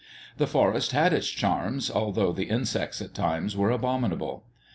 The forest had its charms, although the insects at times were abominable.